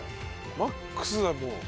マックスだもう。